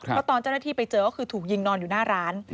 เพราะตอนเจ้าหน้าที่ไปเจอก็คือถูกยิงนอนอยู่หน้าร้าน